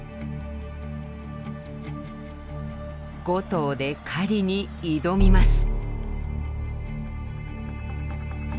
５頭で狩りに挑みます。